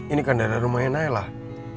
ini kan daerah rumahnya nailah